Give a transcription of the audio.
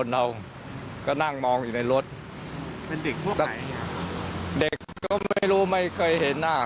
เด็กก็ไม่รู้ไม่เคยเห็นหน้า